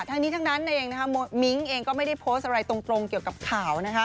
ทั้งนี้ทั้งนั้นเองมิ้งเองก็ไม่ได้โพสต์อะไรตรงเกี่ยวกับข่าวนะคะ